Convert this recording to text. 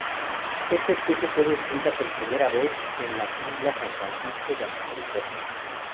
Esta especie fue descrita por primera vez en Isla San Francisco, Baja California.